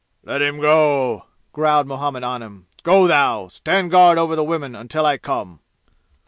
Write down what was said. "Let him go!" growled Muhammad Anim. "Go thou! Stand guard over the women until I come!"